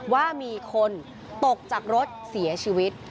ว่ามีคนตกจากรถเสียชีวิต